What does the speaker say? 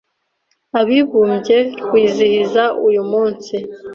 Abibumbye rwizihiza uyu munsi